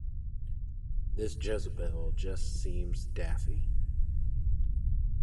This Jezebel just seems daffy.